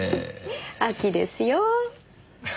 秋ですよ。